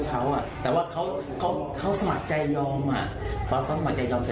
เขามันแฮปปี้เขาก็พอด้วยเขากลับว่ากลับบ้านเชียงใหม่